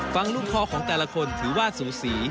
ฟังลูกคอของแต่ละคนถือว่าสูสี